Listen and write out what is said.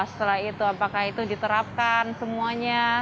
setelah itu apakah itu diterapkan semuanya